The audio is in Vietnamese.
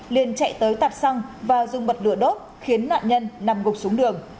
liền chạy tới tạp xăng và dùng bật lửa đốt khiến nạn nhân nằm gục xuống đường